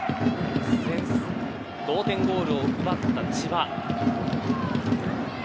同点ゴールを奪った千葉。